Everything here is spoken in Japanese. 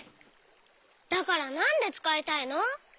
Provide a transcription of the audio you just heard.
だからなんでつかいたいの？